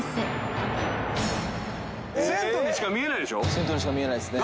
銭湯にしか見えないですね。